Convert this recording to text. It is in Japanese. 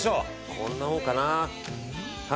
こんなもんかな。